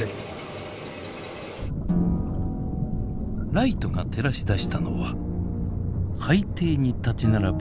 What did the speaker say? ライトが照らし出したのは海底に立ち並ぶ